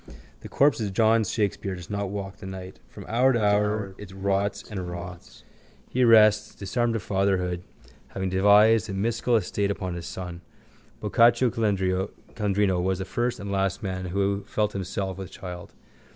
The corpse of John Shakespeare does not walk the night. From hour to hour it rots and rots. He rests, disarmed of fatherhood, having devised that mystical estate upon his son. Boccaccio's Calandrino was the first and last man who felt himself with child.